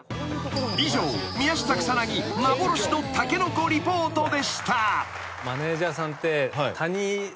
［以上宮下草薙幻のタケノコリポートでした］